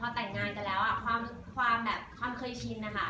พอแต่งงานกันแล้วความแบบความเคยชินนะคะ